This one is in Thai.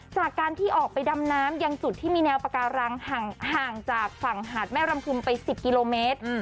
จากการที่ออกไปดำน้ำยังจุดที่มีแนวปาการังห่างจากฝั่งหาดแม่รำพึมไป๑๐กิโลเมตร